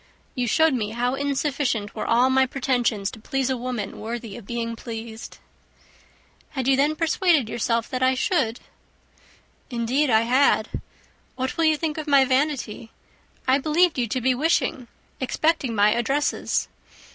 You showed me how insufficient were all my pretensions to please a woman worthy of being pleased." "Had you then persuaded yourself that I should?" "Indeed I had. What will you think of my vanity? I believed you to be wishing, expecting my addresses."